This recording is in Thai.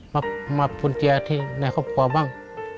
มาปรุงเจียร์ที่ในครอบครัวบ้าง